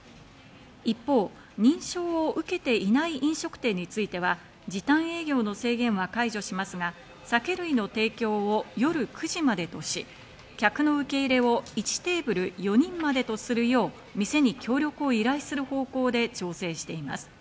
一方、認証を受けていない飲食店については、時短営業の制限は解除しますが、酒類の提供を夜９時までとし、客の受け入れを１テーブル４人までとするよう店に協力を依頼する方向で調整しています。